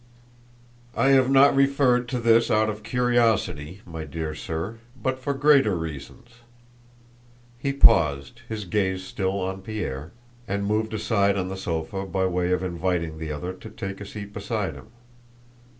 "I have not referred to this out of curiosity, my dear sir, but for greater reasons." He paused, his gaze still on Pierre, and moved aside on the sofa by way of inviting the other to take a seat beside him.